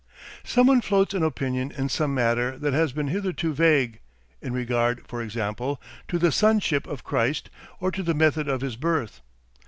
Someone floats an opinion in some matter that has been hitherto vague, in regard, for example, to the sonship of Christ or to the method of his birth.